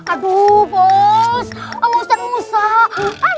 aduh bos musnah musnah